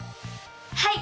はい！